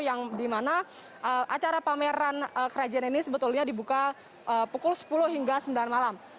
yang dimana acara pameran kerajaan ini sebetulnya dibuka pukul sepuluh hingga sembilan malam